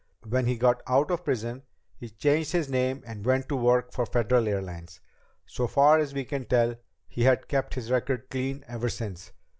When he got out of prison, he changed his name and went to work for Federal Airlines. So far as we can tell, he had kept his record clean ever since.